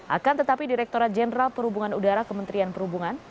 akan tetapi direkturat jenderal perhubungan udara kementerian perhubungan